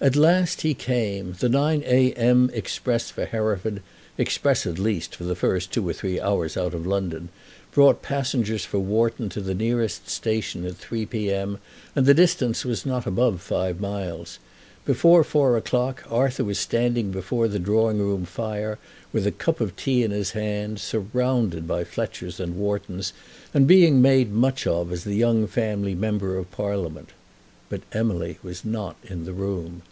At last he came. The 9 A.M. express for Hereford, express, at least, for the first two or three hours out of London, brought passengers for Wharton to the nearest station at 3 P.M., and the distance was not above five miles. Before four o'clock Arthur was standing before the drawing room fire, with a cup of tea in his hand, surrounded by Fletchers and Whartons, and being made much of as the young family member of Parliament. But Emily was not in the room.